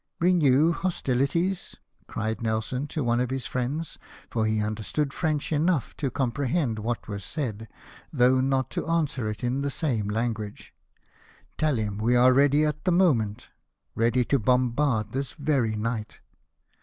" Renew hostihties !" cried Nelson to one of his friends — for he understood French enough to comprehend what was said, though not to answer it in the same language. " Tell him we are ready at a moment 1 ready to bombard this very night